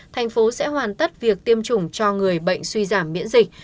tp hcm sẽ hoàn tất việc tiêm chủng cho người bệnh suy giảm miễn dịch